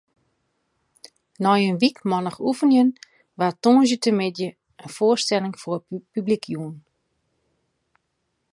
Nei in wykmannich oefenjen waard tongersdeitemiddei in foarstelling foar publyk jûn.